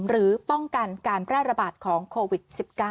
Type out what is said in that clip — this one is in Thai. หรือป้องกันการแพร่ระบาดของโควิด๑๙